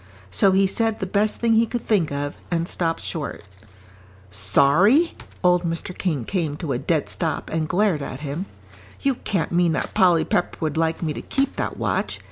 So he said the best thing he could think of, and stopped short. "Sorry?" Old Mr. King came to a dead stop and glared at him. "You can't mean that Polly Pepper would like me to keep that watch.